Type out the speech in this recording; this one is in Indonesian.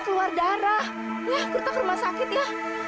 keluar darah ya kereta rumah sakit ya